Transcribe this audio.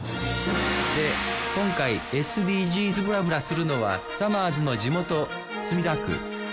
で今回ＳＤＧｓブラブラするのはさまぁずの地元墨田区。